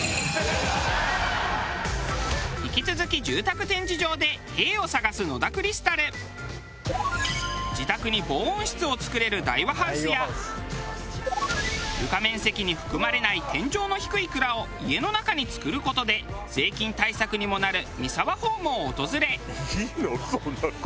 引き続き自宅に防音室を造れるダイワハウスや床面積に含まれない天井の低い蔵を家の中に造る事で税金対策にもなるミサワホームを訪れ。